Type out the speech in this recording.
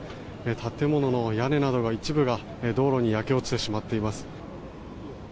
建物の屋根などの一部が焼け落ちてしまっています。